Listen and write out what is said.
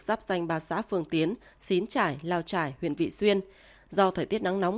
giáp danh ba xã phương tiến xín trải lao trải huyện vị xuyên do thời tiết nắng nóng